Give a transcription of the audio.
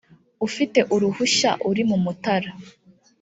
ufite uruhushya uri mumutara